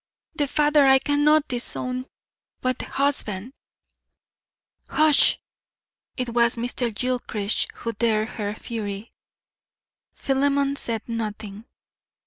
The father I cannot disown, but the husband " "Hush!" It was Mr. Gilchrist who dared her fury. Philemon said nothing.